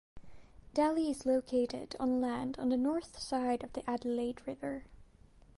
Daly is located on land on the north side of the Adelaide River.